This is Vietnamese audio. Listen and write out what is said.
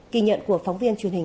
kỳ nhận của phóng viên truyền hình